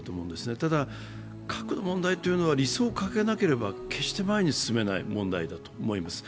ただ、核の問題というのは理想を掲げなければ決して前に進めない問題だと思います。